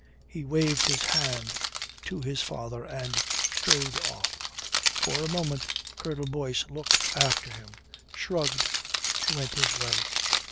He waved his hand to his father and strode off. For a moment Colonel Boyce looked after him shrugged went his way.